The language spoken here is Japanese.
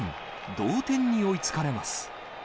同点に追いつかれます。